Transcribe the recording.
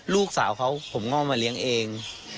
ลูกสาวเขาผมก็เอามาเลี้ยงเอง